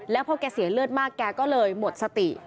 แล้วพอแกเสียเลือดมากแกก็เลยหมดสติ